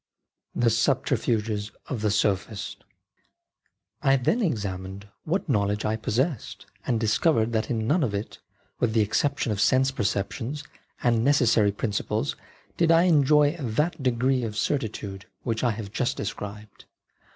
The Subterfuges of the Sophists I then examined what knowledge I possessed, , and discovered that in none of it, with the ^/< exception of sense perceptions and necessary jk principles, did I enjoy that degree of certitude u * v *' which I have just described.